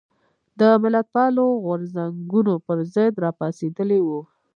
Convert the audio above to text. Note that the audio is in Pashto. د ملتپالو غورځنګونو پر ضد راپاڅېدلي وو.